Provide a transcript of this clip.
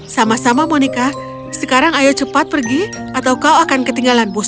sama sama monica sekarang ayo cepat pergi atau kau akan ketinggalan bus